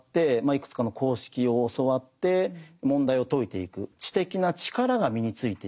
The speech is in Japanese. いくつかの公式を教わって問題を解いていく知的な力が身についていく。